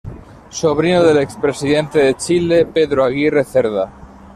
Sobrino del expresidente de Chile, Pedro Aguirre Cerda.